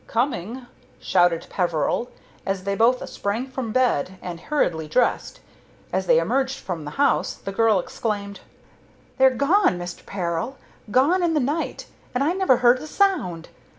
"Coming!" shouted Peveril, as they both sprang from bed and hurriedly dressed. As they emerged from the house the girl exclaimed: "They're gone, Mr. Peril! gone in the night, and I never heard a sound.